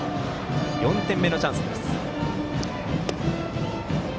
４点目のチャンスです。